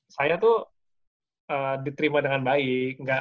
saya tuh diterima dengan baik